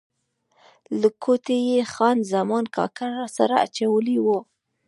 له کوټې یې خان زمان کاکړ راسره اچولی و.